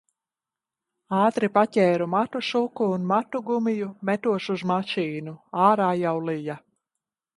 Ātri paķēru matu suku un matu gumiju, metos uz mašīnu. Ārā jau lija.